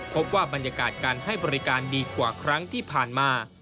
พบว่าบรรยากาศการให้บริการดีกว่าครั้งที่ผ่านมา